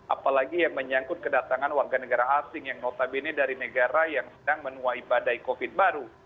apalagi yang menyangkut kedatangan warga negara asing yang notabene dari negara yang sedang menuai badai covid baru